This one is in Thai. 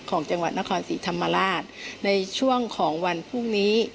ของจังหวัดนครศรีธรรมราชในช่วงของวันพรุ่งนี้